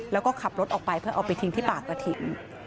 แล้วก็ขับรถออกไปเพื่อเอาไปทิ้งที่ป่ากระถิ่น